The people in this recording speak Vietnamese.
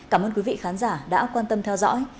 cảm ơn quý vị khán giả đã quan tâm theo dõi